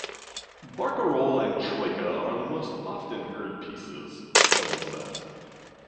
"Barcarolle" and "Troika" are the most often-heard pieces from the set.